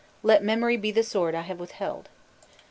Let memory be the sword I have withheld!"